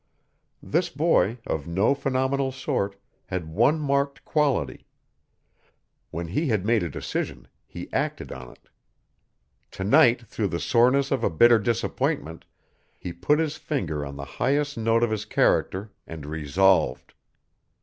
This boy, of no phenomenal sort, had one marked quality when he had made a decision he acted on it. Tonight through the soreness of a bitter disappointment he put his finger on the highest note of his character and resolved.